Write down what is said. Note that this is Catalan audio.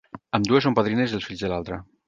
Ambdues són padrines dels fills de l'altra.